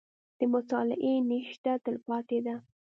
• د مطالعې نیشه، تلپاتې ده.